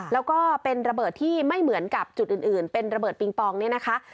แล้วก็เป็นระเบิดที่ไม่เหมือนกับจุดอื่นเป็นระเบิดปิงปองเนี่ยนะคะ